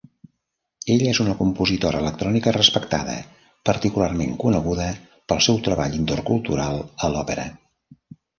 Ella és una compositora electrònica respectada, particularment coneguda pel seu treball intercultural a l'òpera.